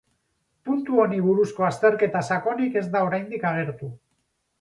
Puntu honi buruzko azterketa sakonik ez da oraindik agertu.